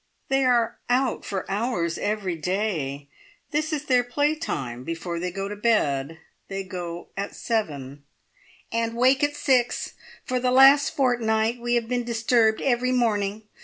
"They are out for hours every day. This is their play time before they go to bed. They go at seven." "And wake at six! For the last fortnight we have been disturbed every morning.